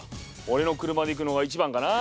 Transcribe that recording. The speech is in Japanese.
おれの車で行くのが一番かな。